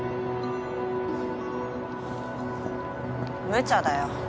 むちゃだよ。